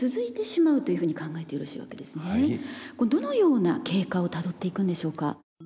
どのような経過をたどっていくんでしょうか？